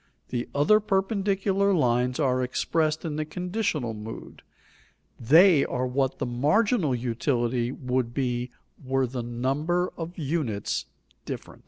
The other perpendicular lines are expressed in the conditional mood; they are what the marginal utility would be were the numbers of units different.